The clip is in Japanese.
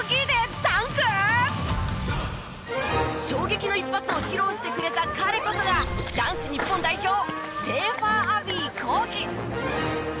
衝撃の一発を披露してくれた彼こそが男子日本代表シェーファーアヴィ幸樹。